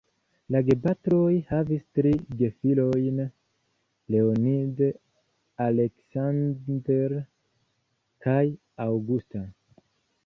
La gepatroj havis tri gefilojn: Leonid, "Aleksandr" kaj "Aŭgusta".